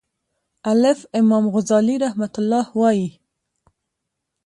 الف : امام غزالی رحمه الله وایی